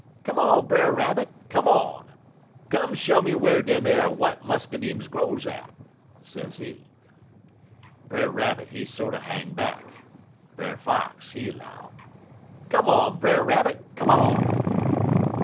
"'Come on, Brer Rabbit; come on! Come show me whar dem ar w'ite muscadimes grows at,' sezee. "Brer Rabbit, he sorter hang back. Brer Fox, he 'low: "'Come on, Brer Rabbit, come on!'